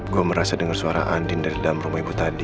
gue merasa dengar suara andin dari dalam rumah ibu tadi